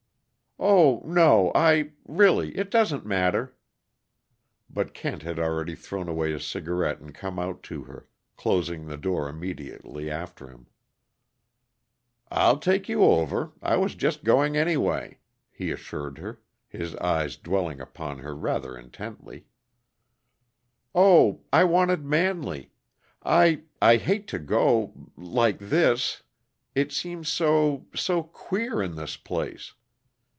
"Oh, no! I really, it doesn't matter " But Kent had already thrown away his cigarette and come out to her, closing the door immediately after him. "I'll take you over I was just going, anyway," He assured her, his eyes dwelling upon her rather intently. "Oh I wanted Manley. I I hate to go like this, it seems so so queer, in this place.